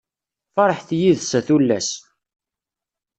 Ferḥet yid-s, a tullas!